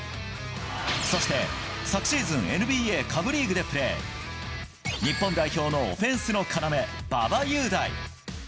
そして昨シーズン、ＮＢＡ下部リーグでプレー、日本代表のオフェンスの要、馬場雄大。